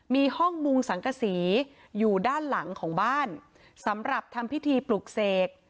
มีห้องมุงสังกษีอยู่ด้านหลังของบ้านสำหรับทำพิธีปลุกเสก